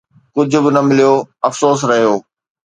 ڪجهه به نه مليو، افسوس رهيو